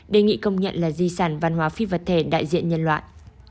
đề nghị công nhận là di sản văn hóa phi vật thể đại diện nhân loại